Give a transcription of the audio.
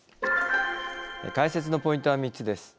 解説のポイントは３つです。